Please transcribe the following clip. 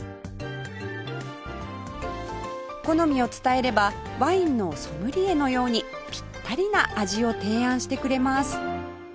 好みを伝えればワインのソムリエのようにぴったりな味を提案してくれます